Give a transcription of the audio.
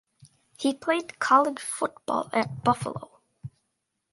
He played college football at Buffalo.